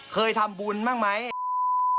เคยทำบุญบ้างไหม